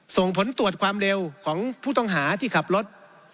ส่งผลตรวจความเร็วของผู้ต้องหาที่ขับรถ